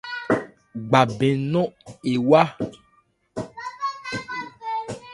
Gba bɛn nɔ̂n ewá.